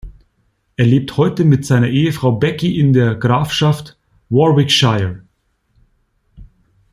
Er lebt heute mit seiner Ehefrau Becky in der Grafschaft Warwickshire.